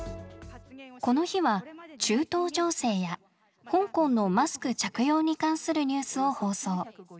この日は中東情勢や香港のマスク着用に関するニュースを放送。